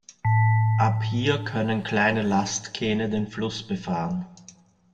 Ab hier können kleine Lastkähne den Fluss befahren.